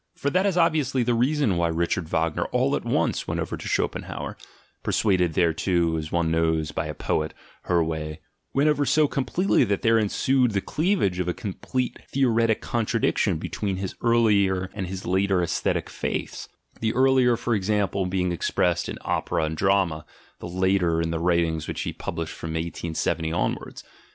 For that is obviously the reason why Richard Wagner all at once went over to Schopenhauer (persuaded thereto, as one knows, by a poet, Herwegh), went over so completely that there ensued the cleavage of a complete theoretic contradiction between his earlier and his later aesthetic faiths — the earlier, for example, being expressed in Opera and Drama, the later in the writings which he published from 1870 onwards.